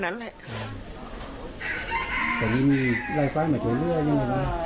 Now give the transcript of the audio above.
ตะนี้ร้ายฟ้ามาช่วยเลือดยังไง